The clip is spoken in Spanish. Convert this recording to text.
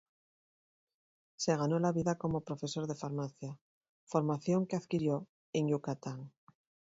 Se ganó la vida como profesor de farmacia, formación que adquirió en Yucatán.